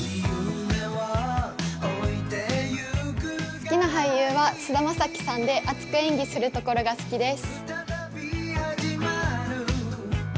好きな俳優は菅田将暉さんで熱く演技するところが好きです。